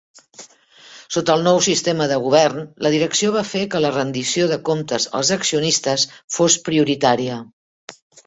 Sota el nou sistema de govern, la direcció va fer que la rendició de comptes als accionistes fos prioritària.